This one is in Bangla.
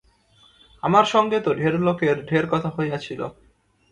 আমার সঙ্গে তো ঢের লোকের ঢের কথা হইয়াছিল।